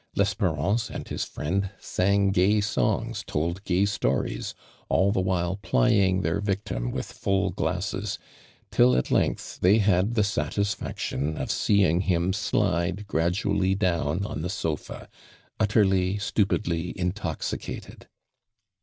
Lespe ranee and his iriend sang gay songs, told gay stories, all the while plying their victim with full glasses, till at length they had thf satisfaction of seeing him slide graduallv down on the sofa, utterly, stupidly intoxi cated.